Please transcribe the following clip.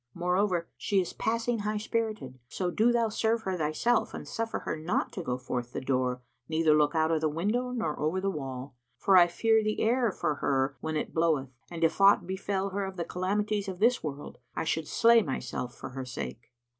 Moreover, she is passing high spirited, so do thou serve her thyself and suffer her not to go forth the door neither look out of window nor over the wall, for I fear the air for her when it bloweth,[FN#83] and if aught befel her of the calamities of this world, I should slay myself for her sake."